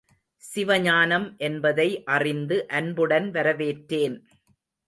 சிவஞானம் என்பதை அறிந்து அன்புடன் வரவேற்றேன்.